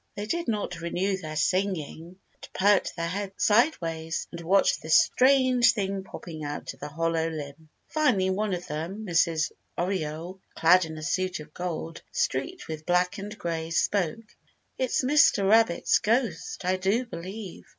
They did not renew their singing, but perked their heads sideways and watched this strange thing popping out of the hollow limb. Finally one of them, Mrs. Oriole, clad in a suit of gold, streaked with black and gray, spoke. "It's Mr. Rabbit's ghost, I do believe.